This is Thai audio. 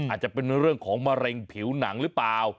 อาจจะเป็นเรื่องของมะเร็งผิวหนังหรือเปล่า